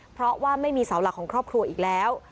เพราะว่าไม่มีเสาหลักของครอบครัวอีกแล้ว